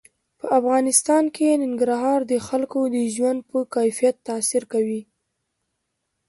په افغانستان کې ننګرهار د خلکو د ژوند په کیفیت تاثیر کوي.